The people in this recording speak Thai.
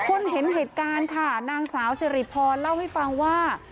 คนเห็นเหตุการณ์ค่ะนางสาวสิริพรเล่าให้ฟังว่า